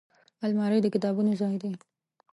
الماري د کتابونو ځای دی